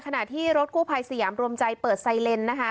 ขณะที่รถกู้ภัยสยามรวมใจเปิดไซเลนนะคะ